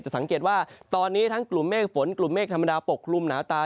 สังเกตว่าตอนนี้ทั้งกลุ่มเมฆฝนกลุ่มเมฆธรรมดาปกคลุมหนาตา